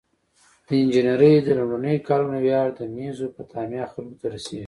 د انجنیری د لومړنیو کارونو ویاړ د میزوپتامیا خلکو ته رسیږي.